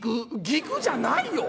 「ギクッじゃないよ。